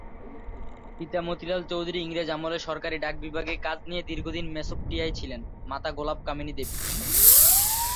পিতা মতিলাল চৌধুরী ইংরেজ আমলে সরকারি ডাক বিভাগে কাজ নিয়ে দীর্ঘদিন মেসোপটেমিয়ায় ছিলেন; মাতা গোলাপকামিনীদেবী।